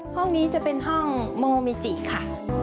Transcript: ห้องนี้จะเป็นห้องโมมิจิค่ะ